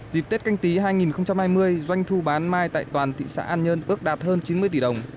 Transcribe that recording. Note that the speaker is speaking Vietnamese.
dịp tết canh tí hai nghìn hai mươi doanh thu bán mai tại toàn thị xã an nhơn bước đạt hơn chín mươi tỷ đồng